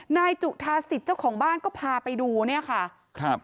นายจุฐาสิทธิ์เจ้าของบ้านก็พาไปดูเนี่ยค่ะ